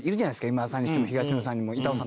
今田さんにしても東野さん板尾さん。